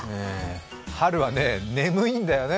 春はね、眠いんだよね